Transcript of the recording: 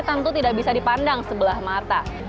tentu tidak bisa dipandang sebelah mata